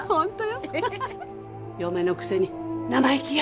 嫁のくせに生意気よ。